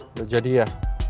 udah jadi ya